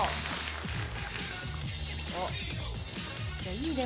いいね。